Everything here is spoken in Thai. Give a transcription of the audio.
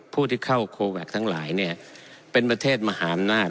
ผู้ที่เข้าโคแวคทั้งหลายเนี่ยเป็นประเทศมหาอำนาจ